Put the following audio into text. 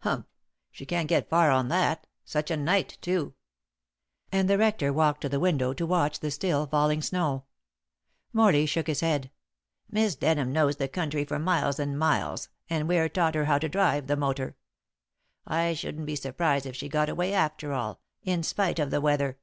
"Humph! She can't get far on that. Such a night, too." And the rector walked to the window to watch the still falling snow. Morley shook his head. "Miss Denham knows the country for miles and miles, and Ware taught her how to drive the motor. I shouldn't be surprised if she got away after all, in spite of the weather."